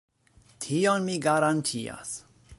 Tion mi garantias.